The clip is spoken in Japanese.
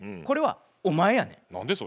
これはお前やねん。